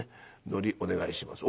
のりお願いします」。